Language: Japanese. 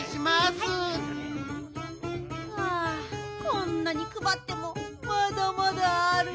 こんなにくばってもまだまだある。